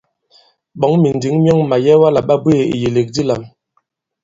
Ɓɔ̌ŋ mìndǐŋ myɔŋ màyɛwa àla ɓa bweè ìyèlèk di lam.